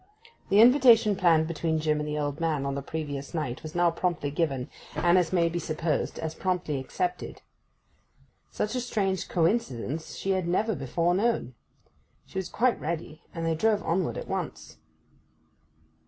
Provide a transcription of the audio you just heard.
The invitation planned between Jim and the old man on the previous night was now promptly given, and, as may be supposed, as promptly accepted. Such a strange coincidence she had never before known. She was quite ready, and they drove onward at once.